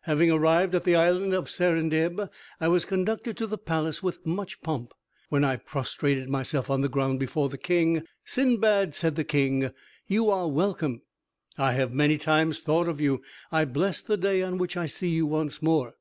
Having arrived at the Isle of Serendib, I was conducted to the palace with much pomp, when I prostrated myself on the ground before the king. "Sindbad," said the king, "you are welcome; I have many times thought of you; I bless the day on which I see you once more."